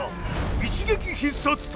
一撃必殺隊